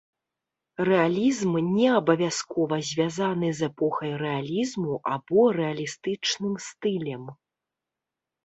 Рэалізм не абавязкова звязаны з эпохай рэалізму або рэалістычным стылем.